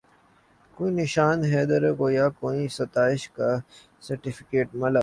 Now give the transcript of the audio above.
کوئی نشان حیدر یا کوئی ستائش کا سرٹیفکیٹ ملا